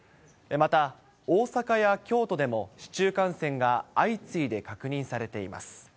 また大阪や京都でも、市中感染が相次いで確認されています。